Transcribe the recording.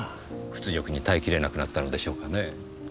屈辱に耐え切れなくなったのでしょうかねぇ？